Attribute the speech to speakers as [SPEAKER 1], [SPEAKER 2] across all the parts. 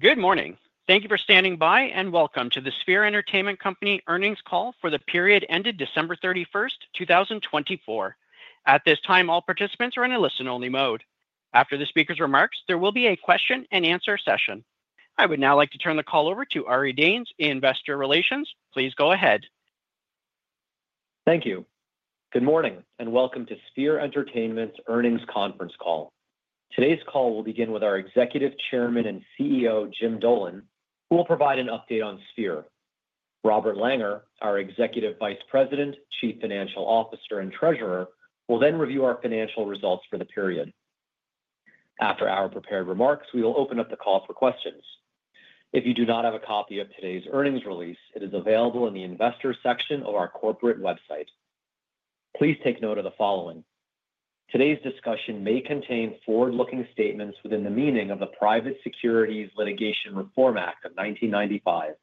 [SPEAKER 1] Good morning. Thank you for standing by and welcome to the Sphere Entertainment Company Earnings Call for the period ended December 31st, 2024. At this time, all participants are in a listen-only mode. After the speaker's remarks, there will be a question-and-answer session. I would now like to turn the call over to Ari Danes, Investor Relations. Please go ahead.
[SPEAKER 2] Thank you. Good morning and welcome to Sphere Entertainment's Earnings Conference Call. Today's call will begin with our Executive Chairman and CEO, Jim Dolan, who will provide an update on Sphere. Robert Langer, our Executive Vice President, Chief Financial Officer, and Treasurer, will then review our financial results for the period. After our prepared remarks, we will open up the call for questions. If you do not have a copy of today's earnings release, it is available in the Investor section of our corporate website. Please take note of the following: Today's discussion may contain forward-looking statements within the meaning of the Private Securities Litigation Reform Act of 1995.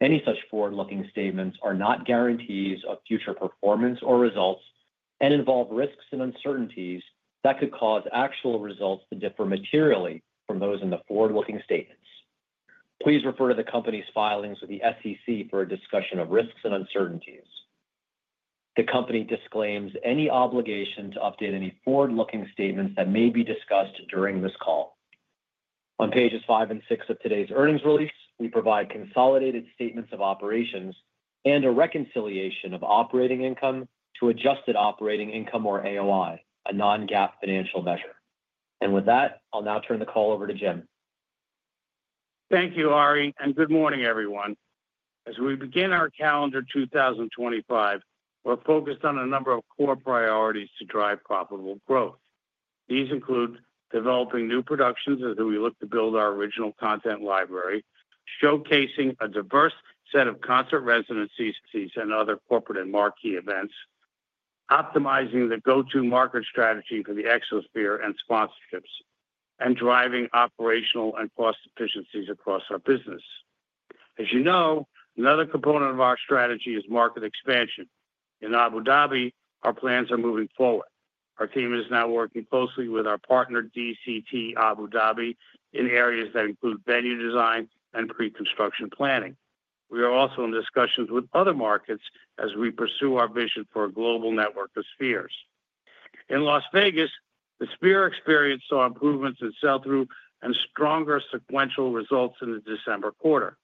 [SPEAKER 2] Any such forward-looking statements are not guarantees of future performance or results and involve risks and uncertainties that could cause actual results to differ materially from those in the forward-looking statements. Please refer to the company's filings with the SEC for a discussion of risks and uncertainties. The company disclaims any obligation to update any forward-looking statements that may be discussed during this call. On pages five and six of today's earnings release, we provide consolidated statements of operations and a reconciliation of operating income to adjusted operating income, or AOI, a non-GAAP financial measure. With that, I'll now turn the call over to Jim.
[SPEAKER 3] Thank you, Ari, and good morning, everyone. As we begin our calendar 2025, we're focused on a number of core priorities to drive profitable growth. These include developing new productions as we look to build our original content library, showcasing a diverse set of concert residencies and other corporate and marquee events, optimizing the go-to market strategy for the Exosphere and sponsorships, and driving operational and cost efficiencies across our business. As you know, another component of our strategy is market expansion. In Abu Dhabi, our plans are moving forward. Our team is now working closely with our partner, DCT Abu Dhabi, in areas that include venue design and pre-construction planning. We are also in discussions with other markets as we pursue our vision for a global network of Spheres. In Las Vegas, the Sphere Experience saw improvements in sell-through and stronger sequential results in the December quarter.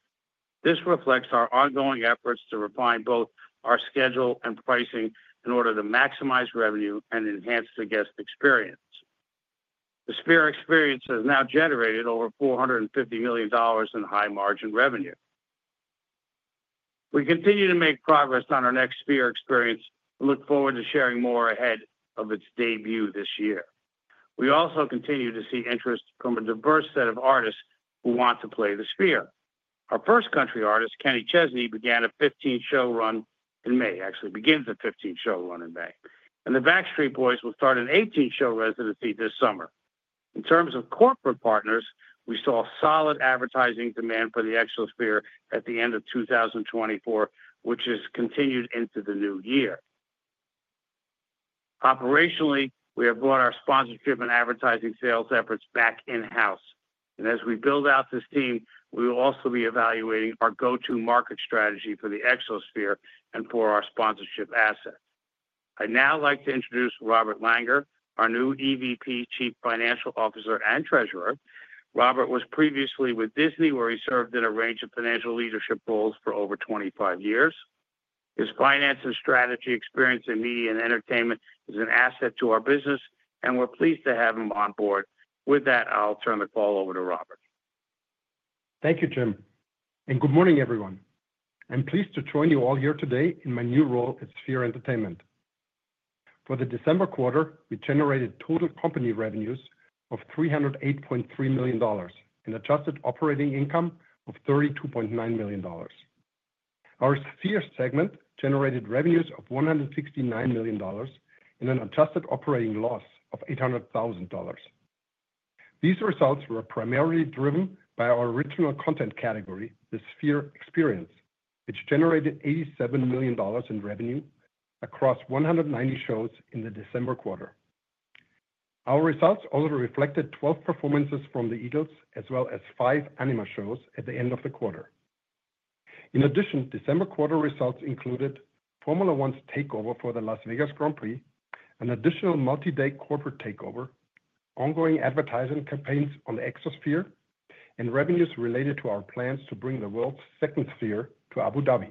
[SPEAKER 3] This reflects our ongoing efforts to refine both our schedule and pricing in order to maximize revenue and enhance the guest experience. The Sphere Experience has now generated over $450 million in high-margin revenue. We continue to make progress on our next Sphere Experience and look forward to sharing more ahead of its debut this year. We also continue to see interest from a diverse set of artists who want to play the Sphere. Our first country artist, Kenny Chesney, actually begins a 15-show run in May. The Backstreet Boys will start an 18-show residency this summer. In terms of corporate partners, we saw solid advertising demand for the Exosphere at the end of 2024, which has continued into the new year. Operationally, we have brought our sponsorship and advertising sales efforts back in-house. As we build out this team, we will also be evaluating our go-to market strategy for the Exosphere and for our sponsorship assets. I'd now like to introduce Robert Langer, our new EVP Chief Financial Officer and Treasurer. Robert was previously with Disney, where he served in a range of financial leadership roles for over 25 years. His finance and strategy experience in media and entertainment is an asset to our business, and we're pleased to have him on board. With that, I'll turn the call over to Robert.
[SPEAKER 4] Thank you, Jim. Good morning, everyone. I'm pleased to join you all here today in my new role at Sphere Entertainment. For the December quarter, we generated total company revenues of $308.3 million and adjusted operating income of $32.9 million. Our Sphere segment generated revenues of $169 million and an adjusted operating loss of $800,000. These results were primarily driven by our original content category, the Sphere Experience, which generated $87 million in revenue across 190 shows in the December quarter. Our results also reflected 12 performances from the Eagles as well as five anime shows at the end of the quarter. In addition, December quarter results included Formula One's takeover for the Las Vegas Grand Prix, an additional multi-day corporate takeover, ongoing advertising campaigns on the Exosphere, and revenues related to our plans to bring the world's second Sphere to Abu Dhabi.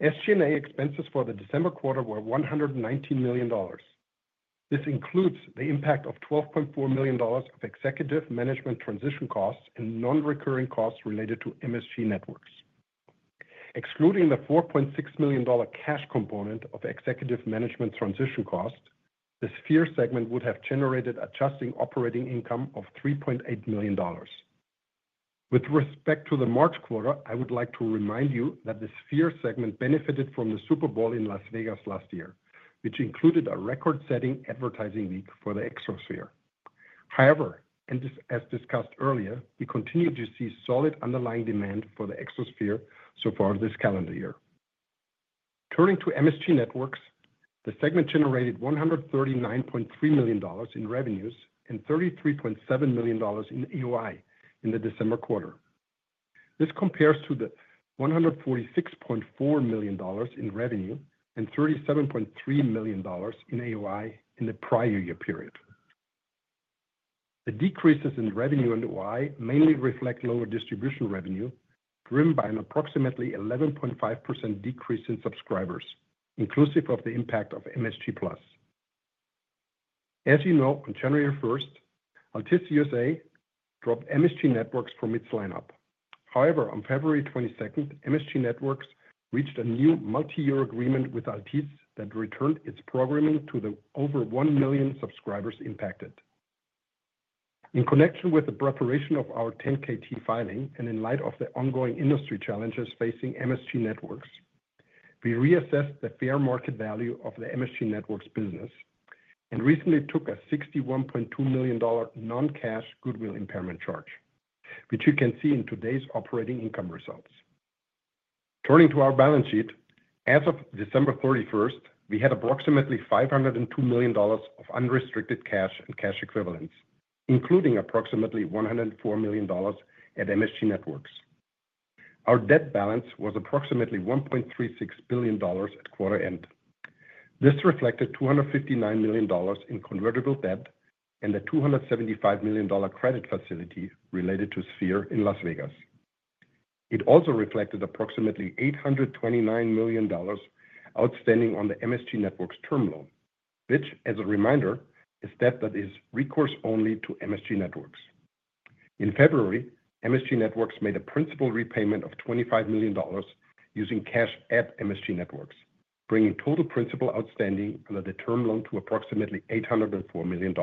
[SPEAKER 4] SG&A expenses for the December quarter were $119 million. This includes the impact of $12.4 million of executive management transition costs and non-recurring costs related to MSG Networks. Excluding the $4.6 million cash component of executive management transition costs, the Sphere segment would have generated adjusted operating income of $3.8 million. With respect to the March quarter, I would like to remind you that the Sphere segment benefited from the Super Bowl in Las Vegas last year, which included a record-setting advertising week for the Exosphere. However, as discussed earlier, we continue to see solid underlying demand for the Exosphere so far this calendar year. Turning to MSG Networks, the segment generated $139.3 million in revenues and $33.7 million in AOI in the December quarter. This compares to the $146.4 million in revenue and $37.3 million in AOI in the prior year period. The decreases in revenue and AOI mainly reflect lower distribution revenue driven by an approximately 11.5% decrease in subscribers, inclusive of the impact of MSG+. As you know, on January 1st, Altice USA dropped MSG Networks from its lineup. However, on February 22nd, MSG Networks reached a new multi-year agreement with Altice that returned its programming to the over 1 million subscribers impacted. In connection with the preparation of our 10-KT filing and in light of the ongoing industry challenges facing MSG Networks, we reassessed the fair market value of the MSG Networks business and recently took a $61.2 million non-cash goodwill impairment charge, which you can see in today's operating income results. Turning to our balance sheet, as of December 31st, we had approximately $502 million of unrestricted cash and cash equivalents, including approximately $104 million at MSG Networks. Our debt balance was approximately $1.36 billion at quarter end. This reflected $259 million in convertible debt and the $275 million credit facility related to Sphere in Las Vegas. It also reflected approximately $829 million outstanding on the MSG Networks terminal, which, as a reminder, is debt that is recourse-only to MSG Networks. In February, MSG Networks made a principal repayment of $25 million using cash at MSG Networks, bringing total principal outstanding under the terminal to approximately $804 million.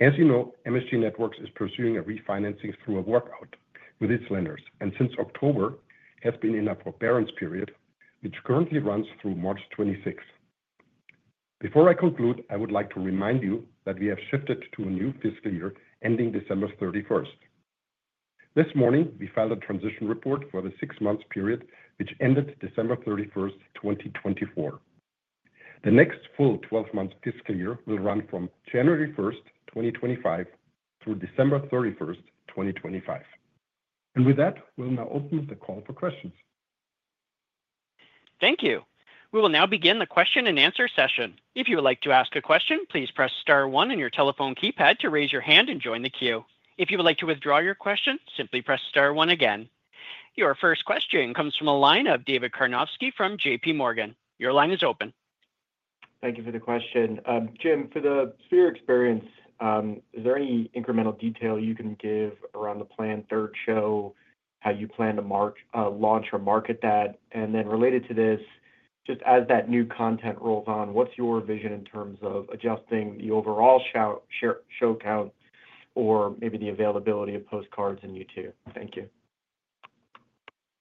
[SPEAKER 4] As you know, MSG Networks is pursuing a refinancing through a workout with its lenders and since October has been in a forbearance period, which currently runs through March 26th. Before I conclude, I would like to remind you that we have shifted to a new fiscal year ending December 31st. This morning, we filed a transition report for the six-month period, which ended December 31st, 2024. The next full 12-month fiscal year will run from January 1st, 2025, through December 31st, 2025. With that, we'll now open the call for questions.
[SPEAKER 1] Thank you. We will now begin the question-and-answer session. If you would like to ask a question, please press star one on your telephone keypad to raise your hand and join the queue. If you would like to withdraw your question, simply press star one again. Your first question comes from a line of David Karnovsky from JPMorgan. Your line is open.
[SPEAKER 5] Thank you for the question. Jim, for the Sphere Experience, is there any incremental detail you can give around the planned third show, how you plan to launch or market that? Related to this, just as that new content rolls on, what's your vision in terms of adjusting the overall show count or maybe the availability of Postcard and U2? Thank you.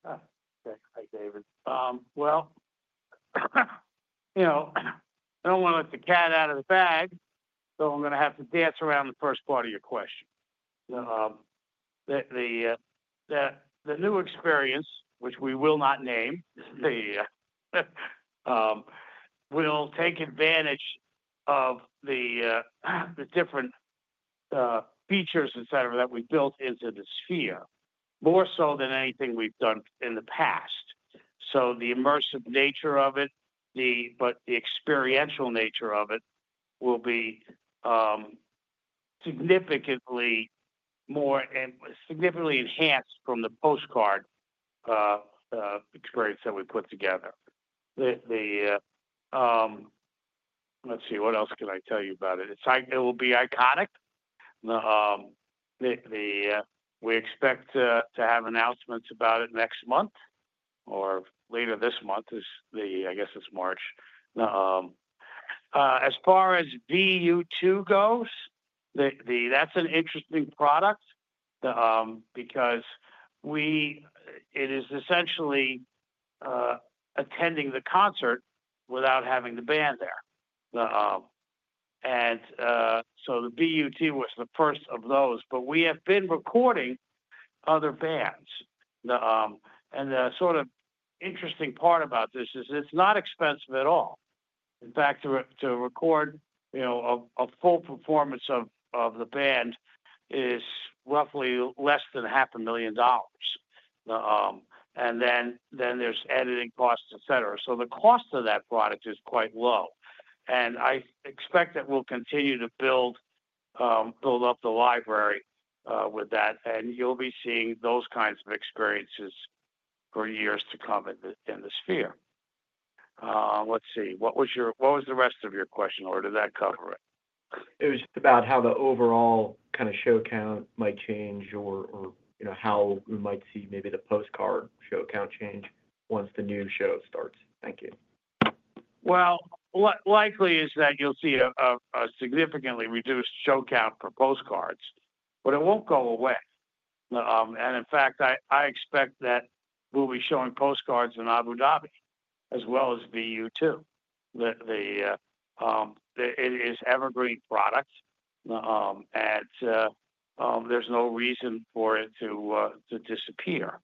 [SPEAKER 3] Okay. Hi, David. You know I don't want to let the cat out of the bag, so I'm going to have to dance around the first part of your question. The new experience, which we will not name, will take advantage of the different features, etc., that we've built into the Sphere, more so than anything we've done in the past. The immersive nature of it, but the experiential nature of it will be significantly enhanced from the postcard experience that we put together. Let's see. What else can I tell you about it? It will be iconic. We expect to have announcements about it next month or later this month. I guess it's March. As far as V-U2 goes, that's an interesting product because it is essentially attending the concert without having the band there. The BUT was the first of those, but we have been recording other bands. The sort of interesting part about this is it's not expensive at all. In fact, to record a full performance of the band is roughly less than $500,000. Then there's editing costs, etc. The cost of that product is quite low. I expect that we'll continue to build up the library with that. You'll be seeing those kinds of experiences for years to come in the Sphere. Let's see. What was the rest of your question, or did that cover it?
[SPEAKER 5] It was just about how the overall kind of show count might change or how we might see maybe the Postcard show count change once the new show starts. Thank you.
[SPEAKER 3] Likely is that you'll see a significantly reduced show Postcard, but it won't go away. In fact, I expect that we'll Postcard in Abu Dhabi as well as U2. It is an evergreen product, and there's no reason for it to disappear.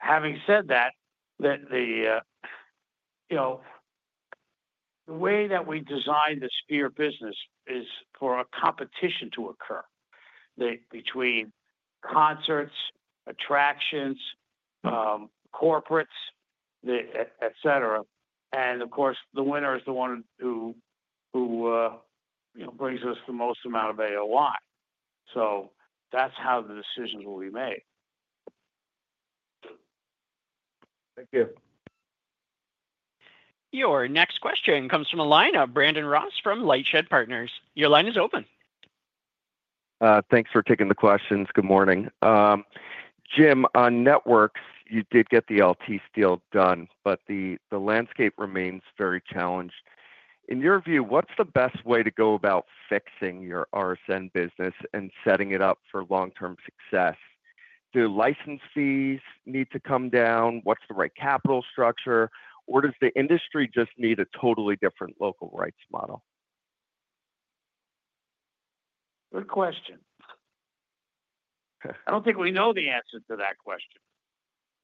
[SPEAKER 3] Having said that, the way that we design the Sphere business is for a competition to occur between concerts, attractions, corporates, etc. Of course, the winner is the one who brings us the most amount of AOI. That's how the decisions will be made.
[SPEAKER 5] Thank you.
[SPEAKER 1] Your next question comes from a line of Brandon Ross from LightShed Partners. Your line is open.
[SPEAKER 6] Thanks for taking the questions. Good morning. Jim, on networks, you did get the LT steel done, but the landscape remains very challenged. In your view, what's the best way to go about fixing your RSN business and setting it up for long-term success? Do license fees need to come down? What's the right capital structure? Does the industry just need a totally different local rights model?
[SPEAKER 3] Good question. I don't think we know the answer to that question.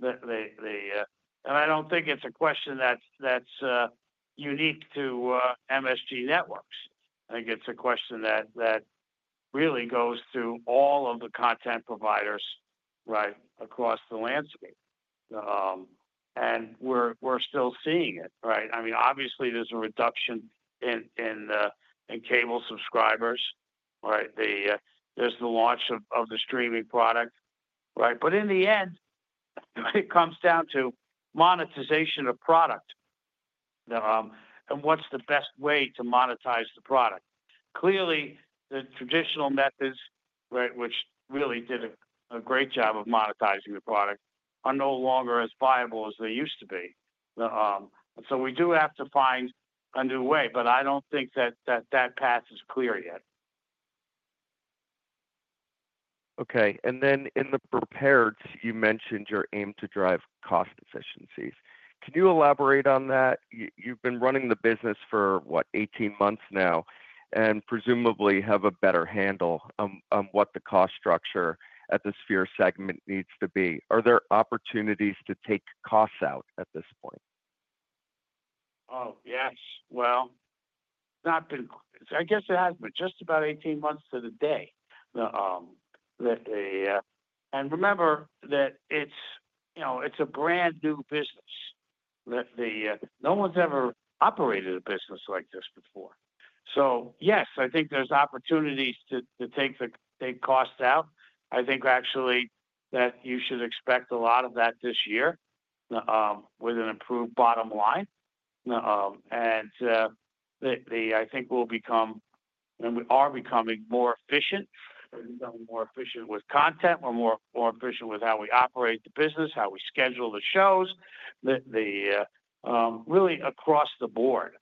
[SPEAKER 3] I don't think it's a question that's unique to MSG Networks. I think it's a question that really goes through all of the content providers across the landscape. We're still seeing it. I mean, obviously, there's a reduction in cable subscribers. There's the launch of the streaming product. In the end, it comes down to monetization of product. What's the best way to monetize the product? Clearly, the traditional methods, which really did a great job of monetizing the product, are no longer as viable as they used to be. We do have to find a new way, but I don't think that that path is clear yet.
[SPEAKER 6] Okay. In the prepared, you mentioned your aim to drive cost efficiencies. Can you elaborate on that? You've been running the business for, what, 18 months now and presumably have a better handle on what the cost structure at the Sphere segment needs to be. Are there opportunities to take costs out at this point?
[SPEAKER 3] Oh, yes. I guess it has been just about 18 months to the day. Remember that it's a brand new business. No one's ever operated a business like this before. Yes, I think there's opportunities to take costs out. I think, actually, that you should expect a lot of that this year with an improved bottom line. I think we'll become, and we are becoming, more efficient. We're becoming more efficient with content. We're more efficient with how we operate the business, how we schedule the shows, really across the board.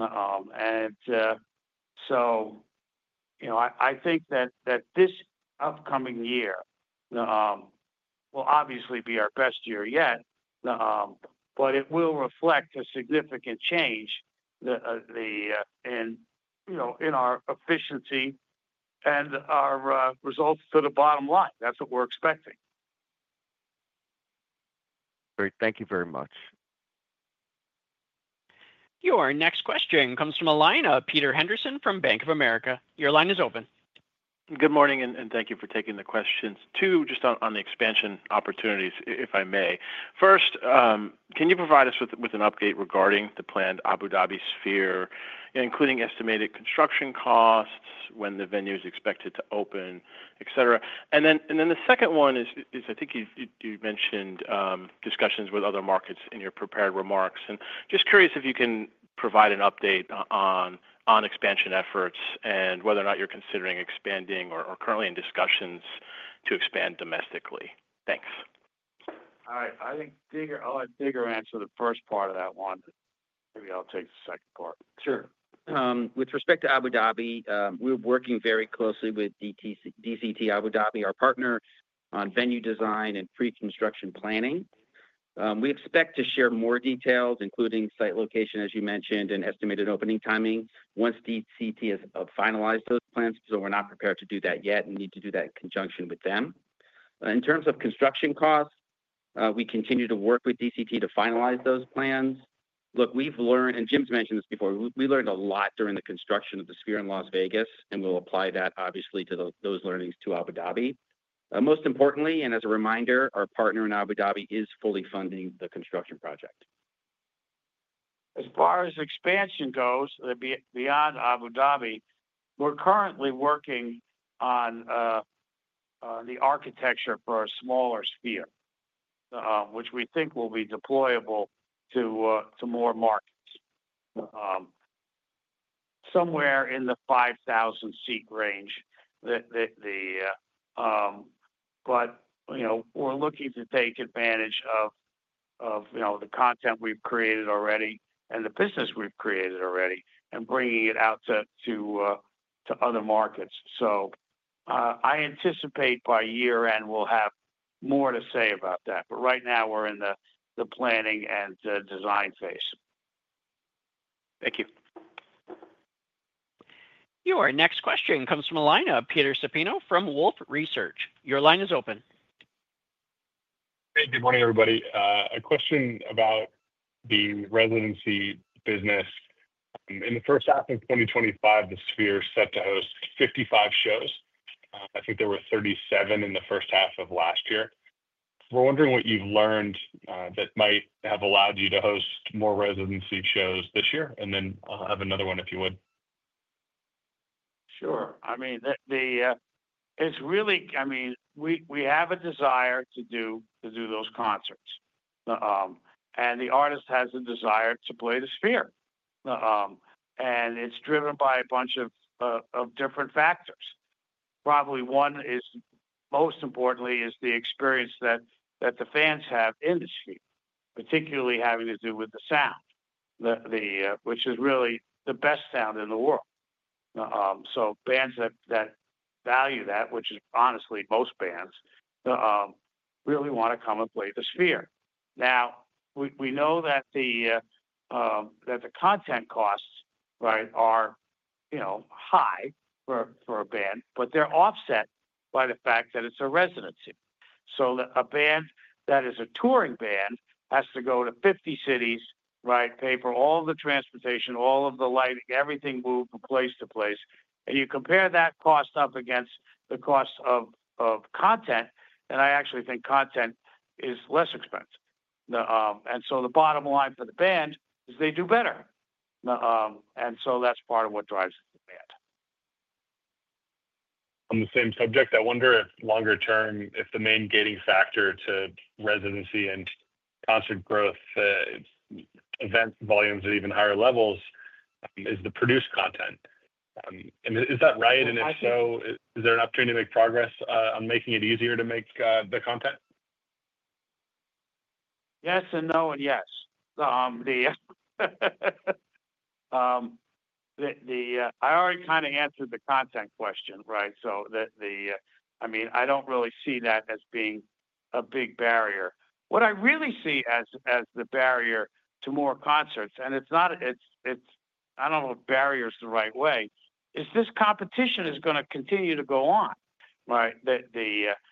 [SPEAKER 3] I think that this upcoming year will obviously be our best year yet, but it will reflect a significant change in our efficiency and our results to the bottom line. That's what we're expecting.
[SPEAKER 6] Great. Thank you very much.
[SPEAKER 1] Your next question comes from a line of Peter Henderson from Bank of America. Your line is open.
[SPEAKER 7] Good morning, and thank you for taking the questions too. Just on the expansion opportunities, if I may. First, can you provide us with an update regarding the planned Abu Dhabi Sphere, including estimated construction costs, when the venue is expected to open, etc.? The second one is, I think you mentioned discussions with other markets in your prepared remarks. Just curious if you can provide an update on expansion efforts and whether or not you're considering expanding or currently in discussions to expand domestically. Thanks.
[SPEAKER 3] All right. I'll let David answer the first part of that one. Maybe I'll take the second part.
[SPEAKER 8] Sure. With respect to Abu Dhabi, we're working very closely with DCT Abu Dhabi, our partner, on venue design and pre-construction planning. We expect to share more details, including site location, as you mentioned, and estimated opening timing once DCT has finalized those plans. We're not prepared to do that yet and need to do that in conjunction with them. In terms of construction costs, we continue to work with DCT to finalize those plans. Look, we've learned, and Jim's mentioned this before, we learned a lot during the construction of the Sphere in Las Vegas, and we'll apply that, obviously, to those learnings to Abu Dhabi. Most importantly, and as a reminder, our partner in Abu Dhabi is fully funding the construction project.
[SPEAKER 3] As far as expansion goes, beyond Abu Dhabi, we're currently working on the architecture for a smaller Sphere, which we think will be deployable to more markets, somewhere in the 5,000-seat range. We're looking to take advantage of the content we've created already and the business we've created already and bringing it out to other markets. I anticipate by year-end we'll have more to say about that. Right now, we're in the planning and design phase.
[SPEAKER 7] Thank you.
[SPEAKER 1] Your next question comes from a line of Peter Supino from Wolfe Research. Your line is open.
[SPEAKER 9] Hey, good morning, everybody. A question about the residency business. In the first half of 2025, the Sphere is set to host 55 shows. I think there were 37 in the first half of last year. We're wondering what you've learned that might have allowed you to host more residency shows this year. I will have another one if you would.
[SPEAKER 3] Sure. I mean, it's really, I mean, we have a desire to do those concerts. And the artist has a desire to play the Sphere. It's driven by a bunch of different factors. Probably one is, most importantly, the experience that the fans have in the Sphere, particularly having to do with the sound, which is really the best sound in the world. Bands that value that, which is honestly most bands, really want to come and play the Sphere. Now, we know that the content costs are high for a band, but they're offset by the fact that it's a residency. A band that is a touring band has to go to 50 cities, pay for all the transportation, all of the lighting, everything moved from place to place. You compare that cost up against the cost of content, and I actually think content is less expensive. The bottom line for the band is they do better. That is part of what drives the demand.
[SPEAKER 9] On the same subject, I wonder if longer term, if the main gating factor to residency and concert growth, event volumes at even higher levels, is the produced content. Is that right? If so, is there an opportunity to make progress on making it easier to make the content?
[SPEAKER 3] Yes and no and yes. I already kind of answered the content question, right? I mean, I don't really see that as being a big barrier. What I really see as the barrier to more concerts, and it's not, I don't know if barrier is the right way, is this competition is going to continue to go on. The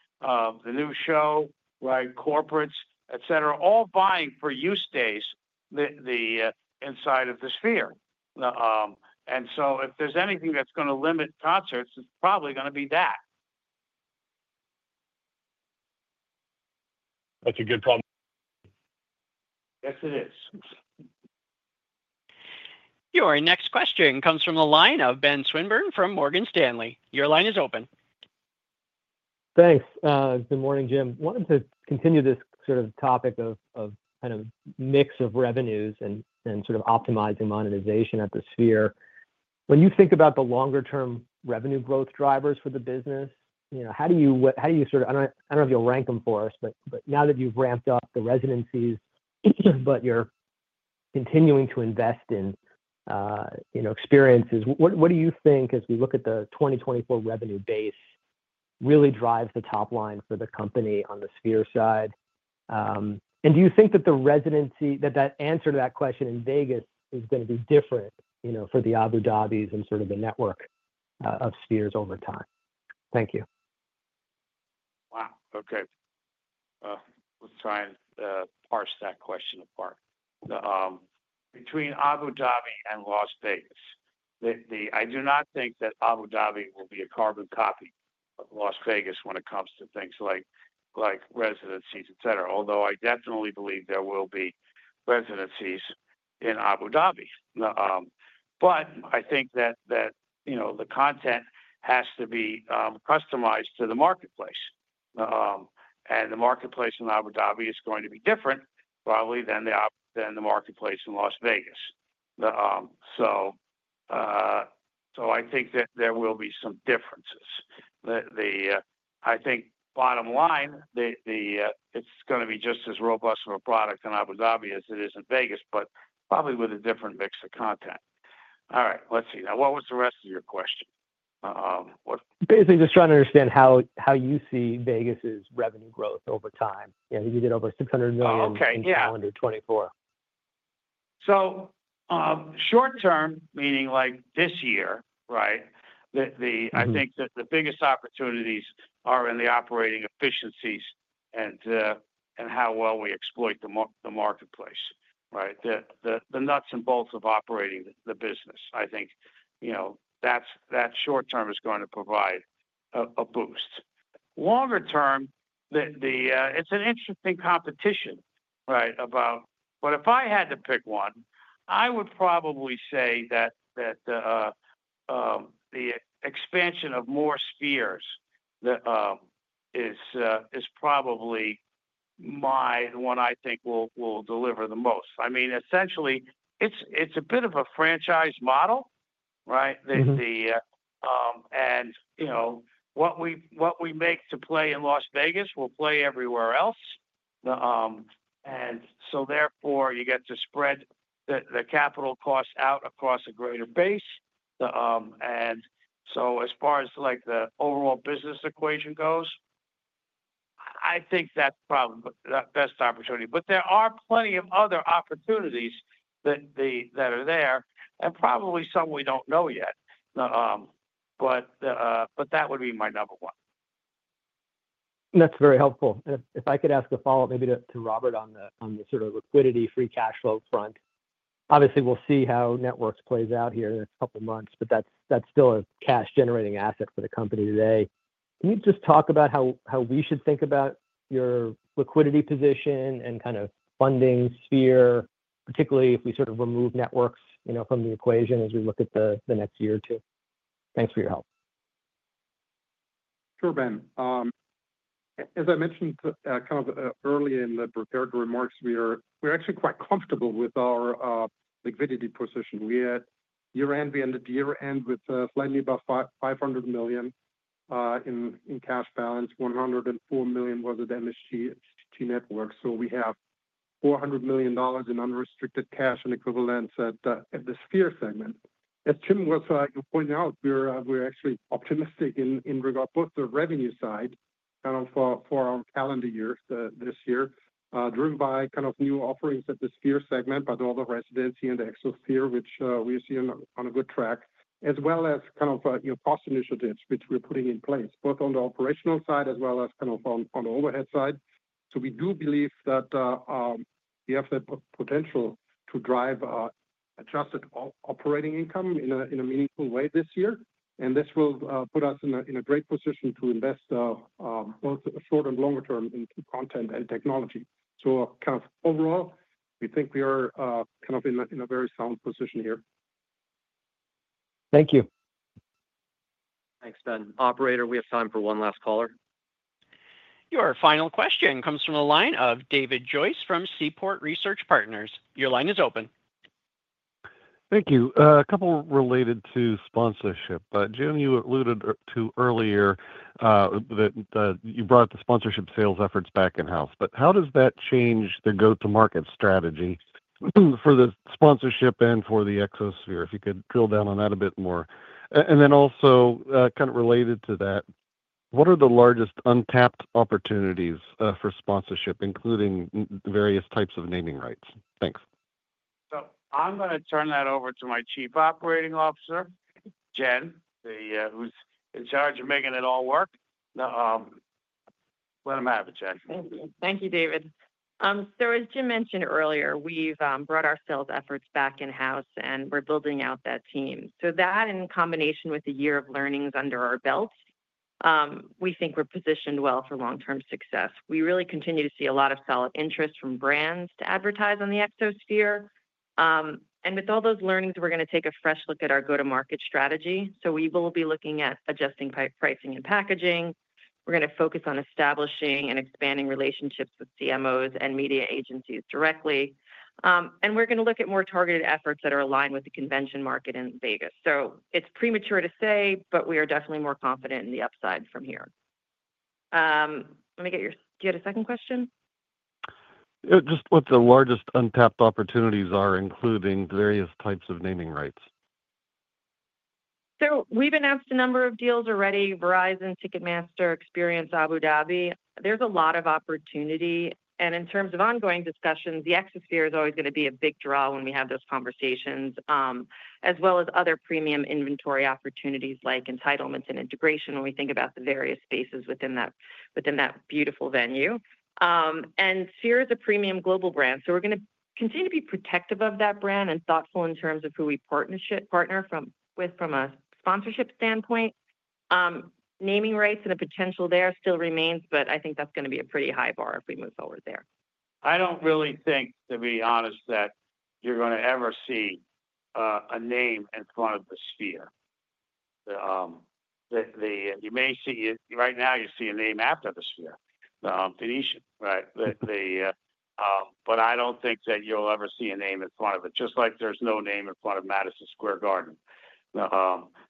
[SPEAKER 3] new show, corporates, etc., all buying for use days inside of the Sphere. If there's anything that's going to limit concerts, it's probably going to be that.
[SPEAKER 9] That's a good problem.
[SPEAKER 3] Yes, it is.
[SPEAKER 1] Your next question comes from a line of Ben Swinburne from Morgan Stanley. Your line is open.
[SPEAKER 10] Thanks. Good morning, Jim. Wanted to continue this sort of topic of kind of mix of revenues and sort of optimizing monetization at the Sphere. When you think about the longer-term revenue growth drivers for the business, how do you sort of, I don't know if you'll rank them for us, but now that you've ramped up the residencies, but you're continuing to invest in experiences, what do you think, as we look at the 2024 revenue base, really drives the top line for the company on the Sphere side? Do you think that the residency, that answer to that question in Vegas is going to be different for the Abu Dhabis and sort of the network of Spheres over time? Thank you.
[SPEAKER 3] Wow. Okay. Let's try and parse that question apart. Between Abu Dhabi and Las Vegas, I do not think that Abu Dhabi will be a carbon copy of Las Vegas when it comes to things like residencies, etc., although I definitely believe there will be residencies in Abu Dhabi. I definitely think that the content has to be customized to the marketplace. The marketplace in Abu Dhabi is going to be different probably than the marketplace in Las Vegas. I think that there will be some differences. I think bottom line, it's going to be just as robust of a product in Abu Dhabi as it is in Vegas, but probably with a different mix of content. All right. Let's see. Now, what was the rest of your question? What?
[SPEAKER 10] Basically, just trying to understand how you see Vegas's revenue growth over time. You did over $600 million in calendar 2024.
[SPEAKER 3] Short-term, meaning like this year, I think that the biggest opportunities are in the operating efficiencies and how well we exploit the marketplace, the nuts and bolts of operating the business. I think that short-term is going to provide a boost. Longer-term, it's an interesting competition about. If I had to pick one, I would probably say that the expansion of more Spheres is probably the one I think will deliver the most. I mean, essentially, it's a bit of a franchise model. What we make to play in Las Vegas, we'll play everywhere else. Therefore, you get to spread the capital cost out across a greater base. As far as the overall business equation goes, I think that's probably the best opportunity. There are plenty of other opportunities that are there and probably some we don't know yet. That would be my number one.
[SPEAKER 10] That's very helpful. If I could ask a follow-up maybe to Robert on the sort of liquidity, free cash flow front. Obviously, we'll see how Networks plays out here in a couple of months, but that's still a cash-generating asset for the company today. Can you just talk about how we should think about your liquidity position and kind of funding Sphere, particularly if we sort of remove Networks from the equation as we look at the next year or two? Thanks for your help.
[SPEAKER 4] Sure, Ben. As I mentioned kind of early in the prepared remarks, we're actually quite comfortable with our liquidity position. Year-end, we ended year-end with slightly above $500 million in cash balance. $104 million was at MSG Network. So we have $400 million in unrestricted cash and equivalents at the Sphere segment. As Jim was pointing out, we're actually optimistic in regard both to the revenue side kind of for our calendar year this year, driven by kind of new offerings at the Sphere segment, but all the residency and the Exosphere, which we see on a good track, as well as kind of cost initiatives, which we're putting in place, both on the operational side as well as kind of on the overhead side. We do believe that we have the potential to drive adjusted operating income in a meaningful way this year. This will put us in a great position to invest both short and longer term into content and technology. Overall, we think we are in a very sound position here.
[SPEAKER 10] Thank you.
[SPEAKER 2] Thanks, Ben. Operator, we have time for one last caller.
[SPEAKER 1] Your final question comes from a line of David Joyce from Seaport Research Partners. Your line is open.
[SPEAKER 11] Thank you. A couple related to sponsorship. Jim, you alluded to earlier that you brought the sponsorship sales efforts back in-house. How does that change the go-to-market strategy for the sponsorship and for the Exosphere? If you could drill down on that a bit more. Also, kind of related to that, what are the largest untapped opportunities for sponsorship, including various types of naming rights? Thanks.
[SPEAKER 3] I'm going to turn that over to my Chief Operating Officer, Jen, who's in charge of making it all work. Let him have it, Jen.
[SPEAKER 12] Thank you, David. As Jim mentioned earlier, we've brought our sales efforts back in-house, and we're building out that team. That in combination with the year of learnings under our belt, we think we're positioned well for long-term success. We really continue to see a lot of solid interest from brands to advertise on the Exosphere. With all those learnings, we're going to take a fresh look at our go-to-market strategy. We will be looking at adjusting pricing and packaging. We're going to focus on establishing and expanding relationships with CMOs and media agencies directly. We're going to look at more targeted efforts that are aligned with the convention market in Vegas. It's premature to say, but we are definitely more confident in the upside from here. Let me get your—do you have a second question?
[SPEAKER 11] Just what the largest untapped opportunities are, including various types of naming rights.
[SPEAKER 12] We've announced a number of deals already: Verizon, Ticketmaster, Experience Abu Dhabi. There's a lot of opportunity. In terms of ongoing discussions, the Exosphere is always going to be a big draw when we have those conversations, as well as other premium inventory opportunities like entitlements and integration when we think about the various spaces within that beautiful venue. Sphere is a premium global brand. We're going to continue to be protective of that brand and thoughtful in terms of who we partner with from a sponsorship standpoint. Naming rights and the potential there still remains, but I think that's going to be a pretty high bar if we move forward there.
[SPEAKER 3] I don't really think, to be honest, that you're going to ever see a name in front of the Sphere. You may see it right now; you see a name after the Sphere, Venetian, right? I don't think that you'll ever see a name in front of it, just like there's no name in front of Madison Square Garden.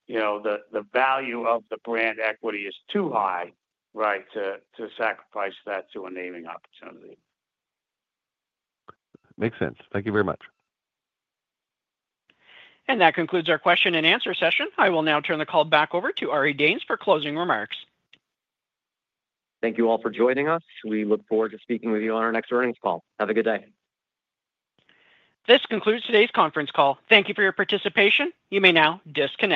[SPEAKER 3] The value of the brand equity is too high to sacrifice that to a naming opportunity.
[SPEAKER 11] Makes sense. Thank you very much.
[SPEAKER 1] That concludes our question and answer session. I will now turn the call back over to Ari Danes for closing remarks.
[SPEAKER 2] Thank you all for joining us. We look forward to speaking with you on our next earnings call. Have a good day.
[SPEAKER 1] This concludes today's conference call. Thank you for your participation. You may now disconnect.